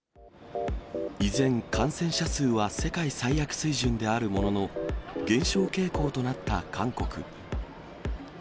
依然、感染者数は世界最悪水準であるものの、減少傾向となった韓国。